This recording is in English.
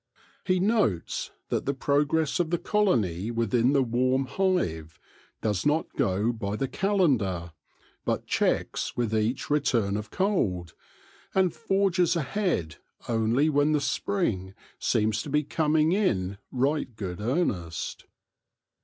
He notes that the progress of the colony within the warm hive does not go by the calendar, but checks with each return of cold, and forges ahead only when the spring seems to be coming in right good earnest.